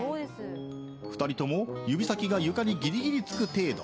２人とも指先が床にギリギリつく程度。